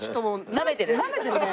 なめてるね。